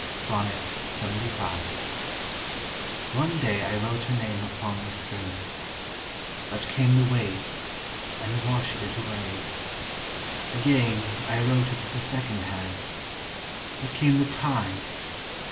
BONN] I i\W One day I wrote her name upon the strand, But came the waves, and washdd it away Agayne, I wrote it with a second hand; Butoame the tyde, and mad.'